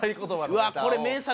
うわこれ名作や。